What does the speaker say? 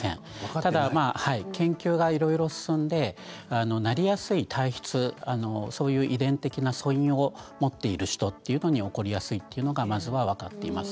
ただ研究がいろいろ進んでなりやすい体質遺伝的な素因を持っている人というのに起こりやすいというのはまず分かっています。